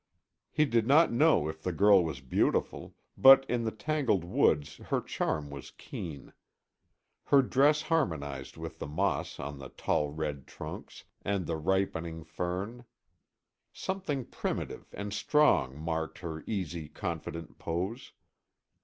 He did not know if the girl was beautiful, but in the tangled woods her charm was keen. Her dress harmonized with the moss on the tall red trunks, and the ripening fern. Something primitive and strong marked her easy, confident pose.